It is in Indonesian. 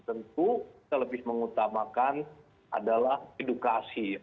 tentu kita lebih mengutamakan adalah edukasi